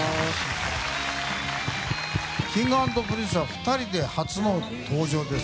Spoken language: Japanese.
Ｋｉｎｇ＆Ｐｒｉｎｃｅは２人で初の登場です。